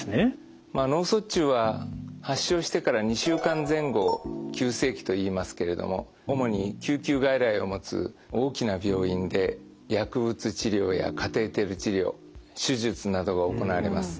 脳卒中は発症してから２週間前後を急性期といいますけれども主に救急外来を持つ大きな病院で薬物治療やカテーテル治療手術などが行われます。